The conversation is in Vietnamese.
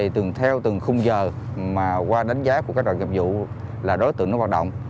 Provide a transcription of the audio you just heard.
từng theo từng khung giờ mà qua đánh giá của các đội nghiệp vụ là đối tượng hoạt động